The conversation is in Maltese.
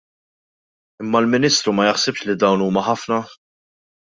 Imma l-Ministru ma jaħsibx li dawn huma ħafna?